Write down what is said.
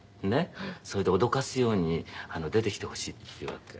それでおどかすように出てきてほしい」って言われて。